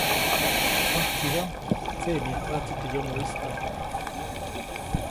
ʼÄjtsidaʼm tseʼmyajpaʼtsi teʼ yomoʼistaʼm.